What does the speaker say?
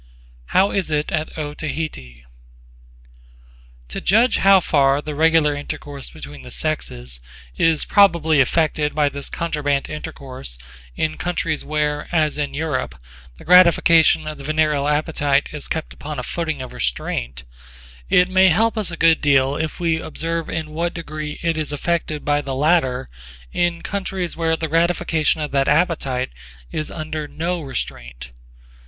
J.B.) How is it at Otaheite? To judge how far the regular intercourse between the sexes is probably affected by this contraband intercourse in countries where, as in Europe, the gratification of the venereal appetite is kept upon a footing of restraint, it may help us a good deal if we observe in what degree it is affected by the latter in countries where the gratification of that appetite is under no restraint.